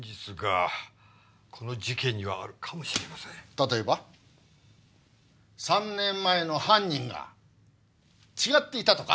例えば３年前の犯人が違っていたとか？